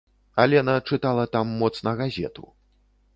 Алена чытала там моцна газету.